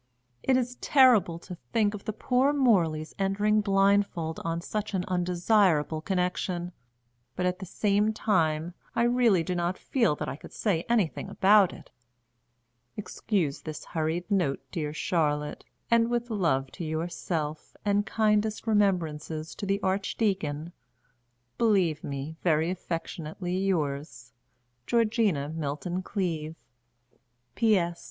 It is terrible to think of the poor Morleys entering blindfold on such an undesirable connection; but, at the same time, I really do not feel that I can say anything about it. Excuse this hurried note, dear Charlotte, and with love to yourself and kindest remembrances to the Archdeacon, "Believe me, very affectionately yours, "GEORGINA MILTON CLEAVE. "P.S.